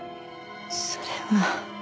それは。